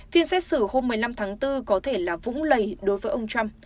phiên xét xử hôm một mươi năm tháng bốn có thể là vũng lầy đối với ông trump